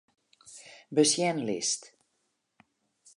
Besjenlist.